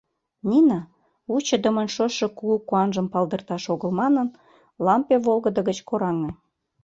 Нина, вучыдымын шочшо кугу куанжым палдырташ огыл манын, лампе волгыдо гыч кораҥе.